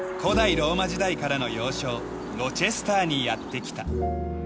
ローマ時代からの要衝ロチェスターにやって来た。